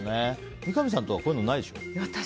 三上さんはこういうのないでしょ？